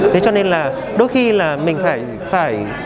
đấy cho nên là đôi khi là mình phải